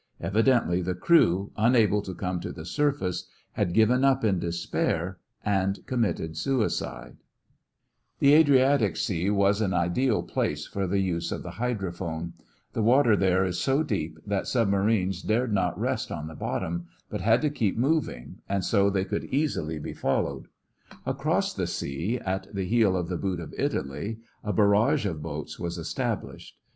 Evidently the crew, unable to come to the surface, had given up in despair and committed suicide. [Illustration: (C) Underwood & Underwood A Paravane hauled up with a Shark caught in its jaws] The Adriatic Sea was an ideal place for the use of the hydrophone. The water there is so deep that submarines dared not rest on the bottom, but had to keep moving, and so they could easily be followed. Across the sea, at the heel of the boot of Italy, a barrage of boats was established.